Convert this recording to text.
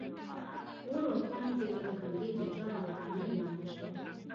مور او خویندې مې د همدې ویجاړې ودانۍ لاندې شول